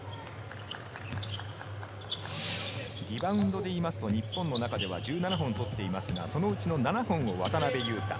リバウンドでいいますと、日本の中では１７本取っていますが、そのうちの７本は渡邊雄太。